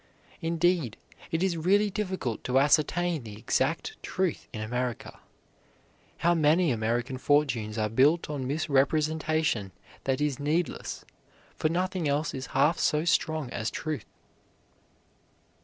Indeed, it is really difficult to ascertain the exact truth in America. How many American fortunes are built on misrepresentation that is needless, for nothing else is half so strong as truth.